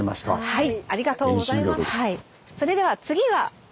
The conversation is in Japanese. はい。